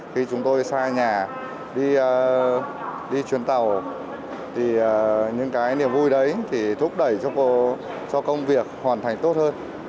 khi chúng tôi xa nhà đi chuyến tàu thì những cái niềm vui đấy thì thúc đẩy giúp cho công việc hoàn thành tốt hơn